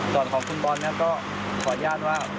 ส่วนของคุณบอลนะครับก็ขออนุญาตว่า